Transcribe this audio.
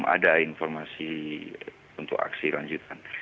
ada informasi untuk aksi lanjutan